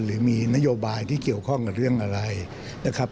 หรือมีนโยบายที่เกี่ยวข้องกับเรื่องอะไรนะครับ